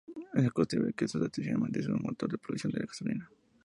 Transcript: El combustible que se usa tradicionalmente en un motor de explosión es la gasolina.